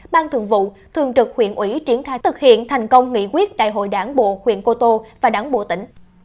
ban thường vụ thường trực huyện ủy triển khai thực hiện thành công nghị quyết đại hội đảng bộ huyện cô tô và đảng bộ tỉnh